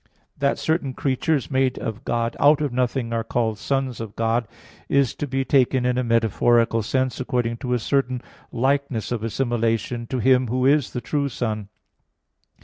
That certain creatures made by God out of nothing are called sons of God is to be taken in a metaphorical sense, according to a certain likeness of assimilation to Him Who is the true Son.